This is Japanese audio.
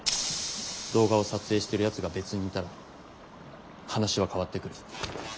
動画を撮影してるやつが別にいたら話は変わってくる。